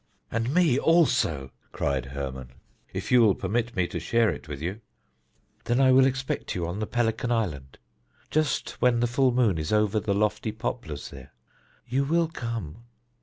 "And me also," cried Hermon, "if you will permit me to share it with you." "Then I will expect you on the Pelican Island just when the full moon is over the lofty poplars there. You will come?